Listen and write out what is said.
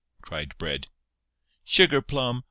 cried Bread. "Sugar plum!